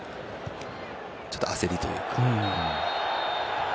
ちょっと焦りというか。